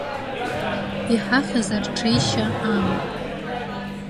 Иҳахьыз арҽеишьа амоуп.